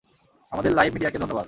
আমাদের লাইভ মিডিয়াকে ধন্যবাদ।